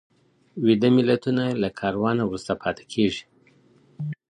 ویده ملتونه له کاروانه وروسته پاته کېږي.